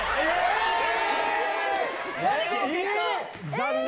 残念。